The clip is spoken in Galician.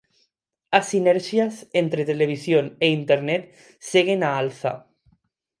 As sinerxias entre televisión e internet seguen á alza.